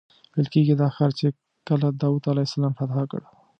ویل کېږي دا ښار چې کله داود علیه السلام فتح کړ.